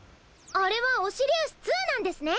あれはオシリウス２なんですね！